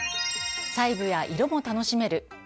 細部や色も楽しめる！